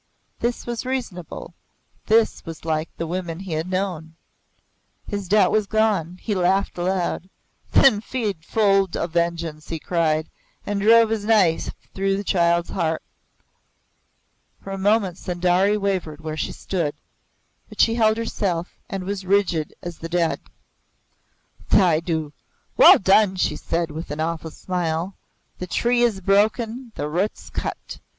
This was reasonable this was like the women he had known. His doubt was gone he laughed aloud. "Then feed full of vengeance!" he cried, and drove his knife through the child's heart. For a moment Sundari wavered where she stood, but she held herself and was rigid as the dead. "Tha du! Well done!" she said with an awful smile. "The tree is broken, the roots cut.